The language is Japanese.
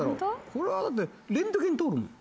これはだってレントゲン通るもん。